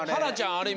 あれ。